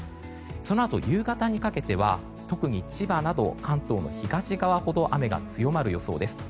そのあと、夕方にかけては特に千葉など関東の東側ほど雨が強まる予想です。